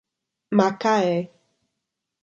Macaé